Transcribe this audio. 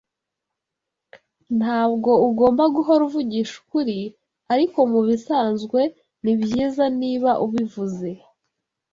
Ntabwo ugomba guhora uvugisha ukuri, ariko mubisanzwe nibyiza niba ubivuze.